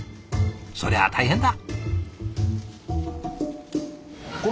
そりゃ大変だ。